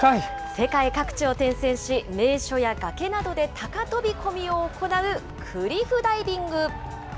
世界各地を転戦し、名所や崖などで高飛び込みを行う、クリフダイビング。